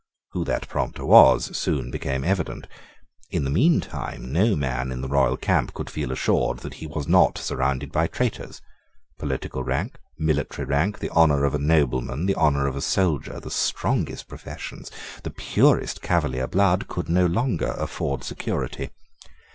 Who that prompter was soon became evident. In the meantime no man in the royal camp could feel assured that he was not surrounded by traitors. Political rank, military rank, the honour of a nobleman, the honour of a soldier, the strongest professions, the purest Cavalier blood, could no longer afford security.